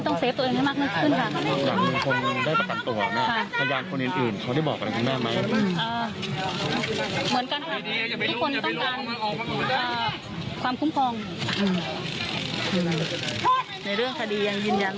ต้องเซฟตัวเองให้มากขึ้นค่ะ